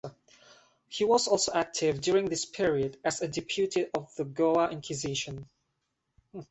He was also active during this period as a deputy of the Goa Inquisition.